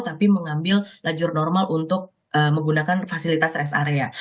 tapi mengambil lajur normal untuk menggunakan fasilitas rest area